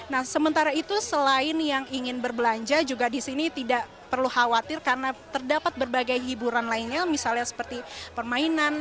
nah sementara itu selain yang ingin berbelanja juga di sini tidak perlu khawatir karena terdapat berbagai hiburan lainnya misalnya seperti permainan